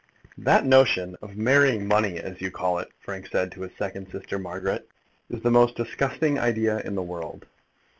"That notion of marrying money as you call it," Frank said to his second sister Margaret, "is the most disgusting idea in the world."